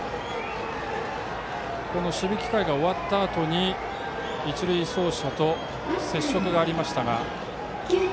守備機会が終わったあとに一塁走者と接触がありましたが。